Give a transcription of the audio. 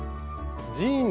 ジーンズ。